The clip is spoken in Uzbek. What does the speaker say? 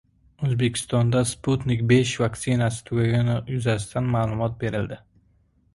O‘zbekistonda "Sputnik V" vaktsinasi tugagani yuzasidan ma’lumot berildi